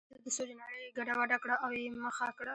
دده د سوچ نړۍ یې ګډه وډه کړه او یې مخه کړه.